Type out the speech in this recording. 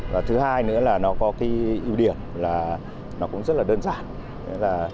và thứ hai nữa là nó có cái ưu điểm là nó cũng rất là đơn giản